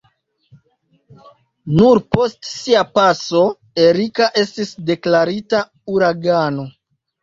Nur post sia paso Erika estis deklarita uragano.